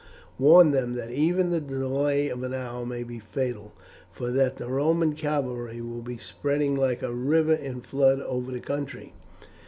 Warn them that even the delay of an hour may be fatal, for that the Roman cavalry will be spreading like a river in flood over the country.